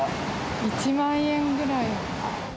１万円ぐらい。